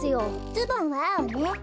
ズボンはあおね。